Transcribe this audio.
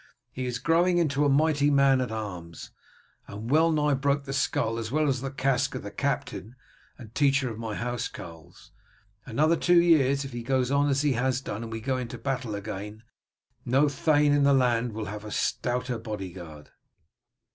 He is growing into a mighty man at arms, and well nigh broke the skull as well as the casque of the captain and teacher of my house carls. Another two years, if he goes on as he has done and we go into battle again, no thane in the land will have a stouter body guard."